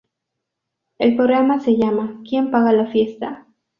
El programa se llama ¿Quien paga la fiesta?